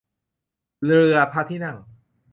เรือพระที่นั่ง